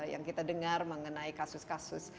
yang kita dengar mengenai kasus kasus